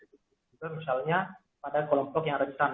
juga misalnya pada kelompok yang rentan